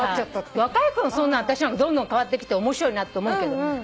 若い子のそんなん私なんかどんどん変わってきて面白いなと思うけどね。